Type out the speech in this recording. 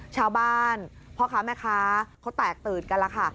ชาวบ้านพ่อค้าแม่ค้าเขาแตกตืดกันแล้วค่ะ